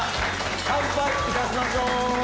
乾杯いたしましょう。